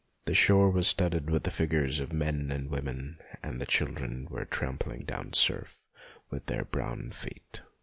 The shore w r as studded with the figures of men and women, and the children were trampling down the surf with their brown feet.